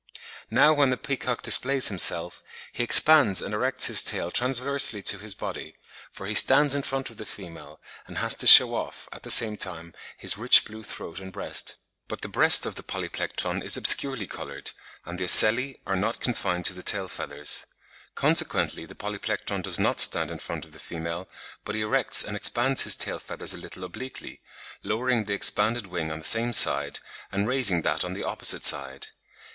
Now when the peacock displays himself, he expands and erects his tail transversely to his body, for he stands in front of the female, and has to shew off, at the same time, his rich blue throat and breast. But the breast of the Polyplectron is obscurely coloured, and the ocelli are not confined to the tail feathers. Consequently the Polyplectron does not stand in front of the female; but he erects and expands his tail feathers a little obliquely, lowering the expanded wing on the same side, and raising that on the opposite side.